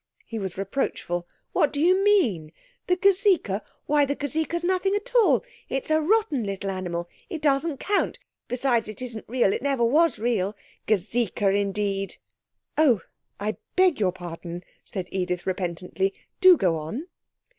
he was reproachful, 'what do you mean? The gazeka? Why the gazeka's nothing at all it's a rotten little animal. It doesn't count. Besides, it isn't real it never was real. Gazeka, indeed!' 'Oh, I beg your pardon,' said Edith repentantly; 'do go on.'